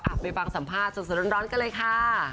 ไปฟังสัมภาษณ์สดร้อนกันเลยค่ะ